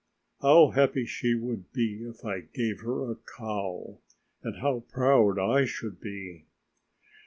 How happy she would be if I gave her a cow, and how proud I should be.